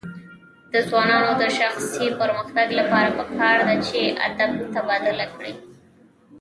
د ځوانانو د شخصي پرمختګ لپاره پکار ده چې ادب تبادله کړي.